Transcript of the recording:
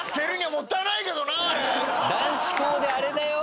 男子校であれだよ？